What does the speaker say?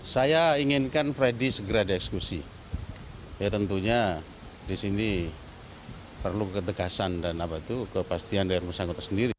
saya inginkan freddy segera dieksekusi ya tentunya disini perlu ketekasan dan kepastian dari musangkota sendiri